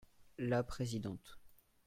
La présidente.